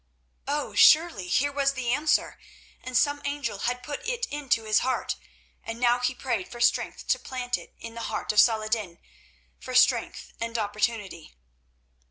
Oh! surely here was the answer, and some angel had put it into his heart, and now he prayed for strength to plant it in the heart of Saladin, for strength and opportunity.